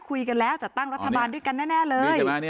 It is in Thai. คุยกันแล้วจัดตั้งรัฐบาลด้วยกันแน่เลย